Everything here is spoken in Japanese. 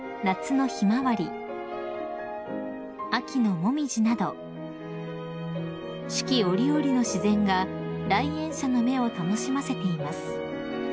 秋の紅葉など四季折々の自然が来園者の目を楽しませています］